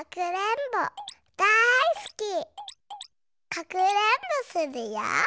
かくれんぼするよ。